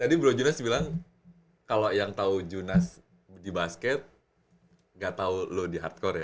tadi bro dinas bilang kalau yang tau dinas di basket gak tau lo di hardcore ya